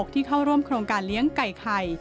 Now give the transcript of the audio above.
ที่เข้าร่วมโครงการเลี้ยงไก่ไข่